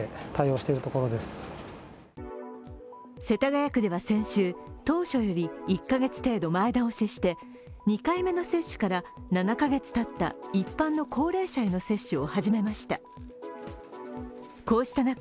世田谷区では先週、当初より１カ月程度前倒しして、２回目の接種から７カ月たった一般の高齢者への接種を始めました。